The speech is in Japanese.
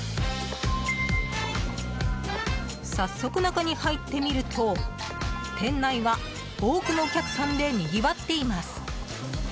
早速、中に入ってみると店内は多くのお客さんでにぎわっています。